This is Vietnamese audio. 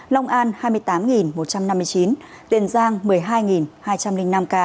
long an hai mươi tám một trăm năm mươi chín tiền giang một mươi hai hai trăm linh năm ca